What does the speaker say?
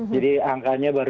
jadi angkanya baru